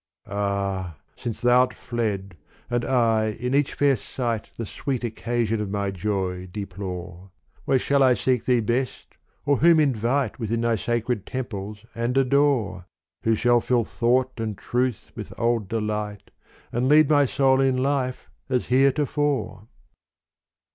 Ah, since thou 'rt fled and I in each fair sight The sweet occasion of my joy deplore, Where shall I seek thee best or whom invite Within thy sacred temples and adore ? Who shall fill thought and truth with old delight And lead my soul in life as heretofore